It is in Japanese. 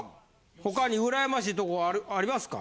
他に羨ましいとこありますか？